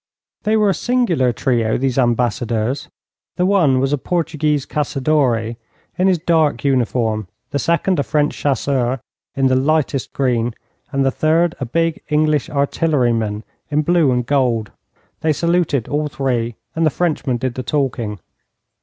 They were a singular trio, these ambassadors. The one was a Portuguese caçadore in his dark uniform, the second a French chasseur in the lightest green, and the third a big English artilleryman in blue and gold. They saluted, all three, and the Frenchman did the talking.